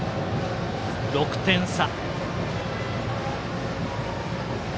６点差。